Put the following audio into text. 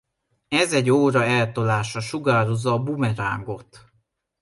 Ez egy óra eltolással sugározza a Boomerangot.